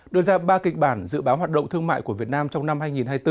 đưa ra ba kịch bản dự báo hoạt động thương mại của việt nam trong năm hai nghìn hai mươi bốn